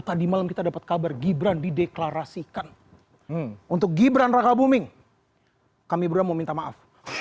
tadi malam kita dapat kabar gibran dideklarasikan untuk gibran raka buming kami berdua meminta maaf